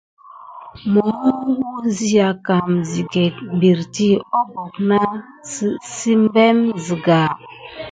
Mohoh wuziya kum sikete pirti abok nʼa zébem sigà.